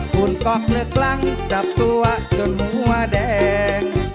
คุณก๊อกเหลือกลั้งจับตัวจนหัวแดง